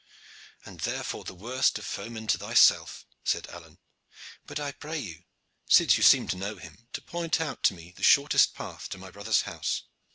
"And therefore the worst of foemen to thyself," said Alleyne. "But I pray you, since you seem to know him, to point out to me the shortest path to my brother's house."